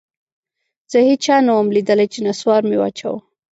زه هېچا نه وم ليدلى چې نسوار مې واچاوه.